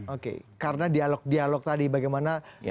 oke karena dialog dialog tadi bagaimana